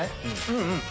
うんうん！